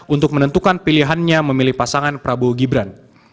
untuk menentukan pilihannya memilih pasangan prabowo gibran